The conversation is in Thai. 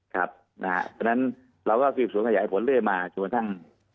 เพราะฉะนั้นเราก็ฝีบสวนขยายผลเลยมาโจทย์ท่าน